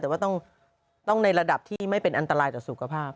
แต่ว่าต้องในระดับที่ไม่เป็นอันตรายต่อสุขภาพ